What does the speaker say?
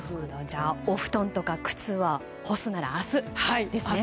じゃあ、お布団とか靴は干すなら明日ですね。